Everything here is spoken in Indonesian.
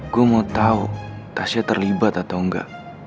gue mau tau tasya terlibat atau engga